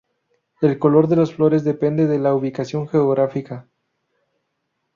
El color de las flores depende de la ubicación geográfica.